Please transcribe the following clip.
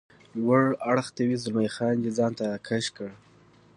لوړ اړخ ته وي، زلمی خان دی ځان ته را کش کړ.